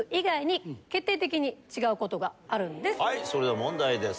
それでは問題です